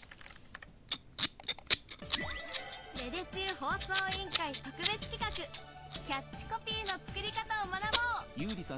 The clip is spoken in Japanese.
芽出中放送委員会特別企画キャッチコピーの作り方を学ぼう！